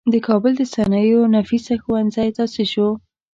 د کابل د صنایعو نفیسه ښوونځی تاسیس شو.